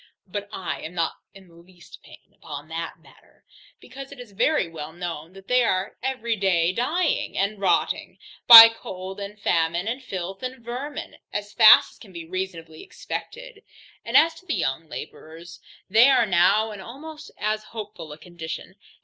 But I am not in the least pain upon that matter, because it is very well known, that they are every day dying, and rotting, by cold and famine, and filth, and vermin, as fast as can be reasonably expected. And as to the young labourers, they are now in almost as hopeful a condition.